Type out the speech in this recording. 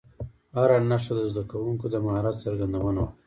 هره نښه د زده کوونکو د مهارت څرګندونه وه.